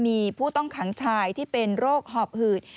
มีผู้ต้องขังชายที่เป็นโรคหอบหืด